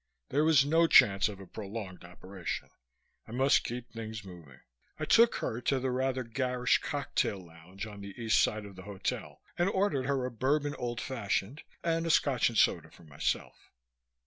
There was no chance of a prolonged operation. I must keep things moving. I took her to the rather garish cocktail lounge on the east side of the hotel and ordered her a Bourbon old fashioned and a Scotch and soda for myself.